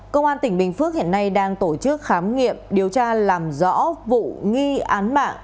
công an tỉnh bình phước hiện nay đang tổ chức khám nghiệm điều tra làm rõ vụ nghi án mạng